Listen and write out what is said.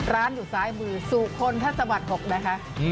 ร้านอยู่ซ้ายมือสู่คนท่าจังหวัด๖นะคะ